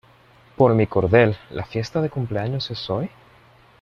¡ Por mi cordel! ¿ La fiesta de cumpleaños es hoy?